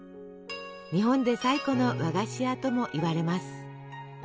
日本で最古の和菓子屋ともいわれます。